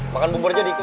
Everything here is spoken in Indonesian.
makan bubur jadi ikutin